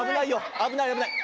危ない危ない。